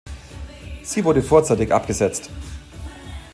Sie wurde vorzeitig abgesetzt.